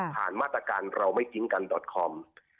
ผ่านมาตรการเราไม่จริงกันคอม